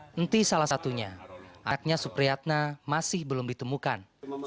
henti salah satunya anaknya supriyatna masih belum ditemukan